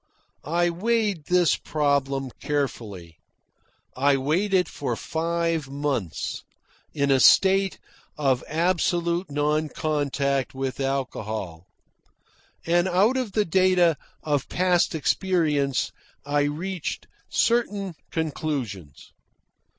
I weighed this problem carefully. I weighed it for five months, in a state of absolute non contact with alcohol. And out of the data of past experience, I reached certain conclusions.